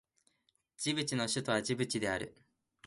ジブチの首都はジブチである